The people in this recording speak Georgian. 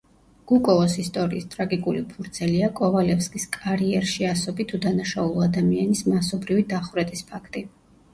გუკოვოს ისტორიის ტრაგიკული ფურცელია კოვალევსკის კარიერში ასობით უდანაშაულო ადამიანის მასობრივი დახვრეტის ფაქტი.